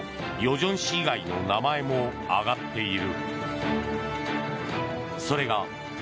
正氏以外の名前も挙がっている。